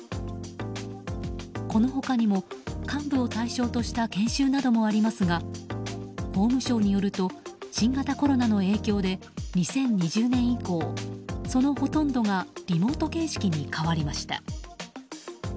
この他にも、幹部を対象とした研修などもありますが法務省によると新型コロナの影響で２０２０年以降そのほとんどがリモート形式に変わりました。